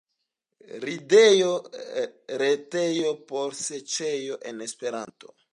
Ridejo, retejo por ŝercoj en Esperanto.